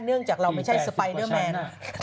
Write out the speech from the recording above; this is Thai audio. เนื่องจากเราไม่ใช่สไปเดอร์แมน